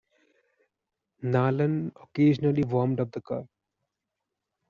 Nalon occasionally warmed up the car.